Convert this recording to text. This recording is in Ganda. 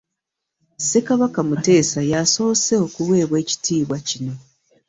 Ssekabaka Muteesa y'asoose okuweebwa ekitiibwa kino